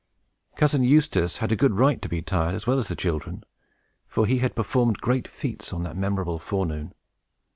Cousin Eustace had a good right to be tired, as well as the children, for he had performed great feats on that memorable forenoon.